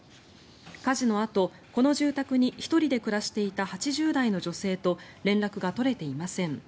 火事のあとこの住宅に１人で暮らしていた８０代の女性と連絡が取れていません。